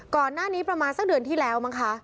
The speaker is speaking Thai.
ก่อนหน้านี้ประมาณสักเดือนที่แล้วมั้งคะ